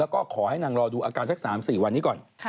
แล้วก็ขอให้นางรอดูอาการสัก๓๔วันนี้ก่อน